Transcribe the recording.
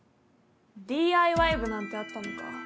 ＤＩＹ部なんてあったのか。